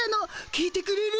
聞いてくれる？